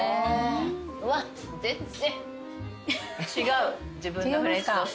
わっ全然。